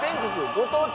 ご当地